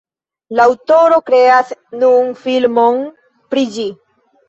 La aŭtoro kreas nun filmon pri ĝi.